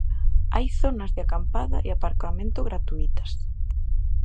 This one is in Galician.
Hai zonas de acampada e aparcamento gratuítas.